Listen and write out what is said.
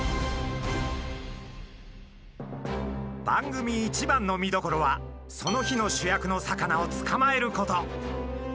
番組一番の見どころはその日の主役の魚を捕まえること。